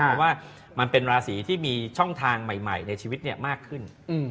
เพราะว่ามันเป็นราศีที่มีช่องทางใหม่ในชีวิตมากขึ้น